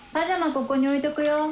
ここに置いとくよ。